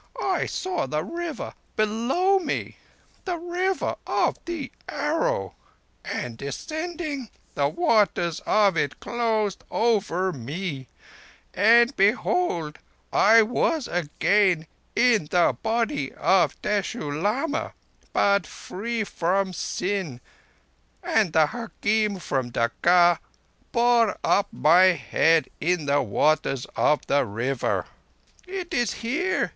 I saw the River below me—the River of the Arrow—and, descending, the waters of it closed over me; and behold I was again in the body of Teshoo Lama, but free from sin, and the hakim from Decca bore up my head in the waters of the River. It is here!